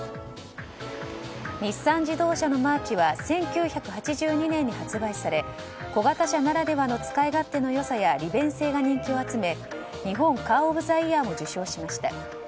日産自動車のマーチは１９８２年に発売され小型車ならではの使い勝手の良さや利便性が人気を集め日本カー・オブ・ザ・イヤーも受賞しました。